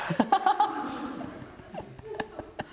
ハハハハ！